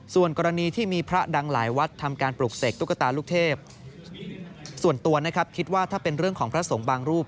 ส่วนนะครับคิดว่าถ้าเป็นเรื่องของพระสงค์บางรูป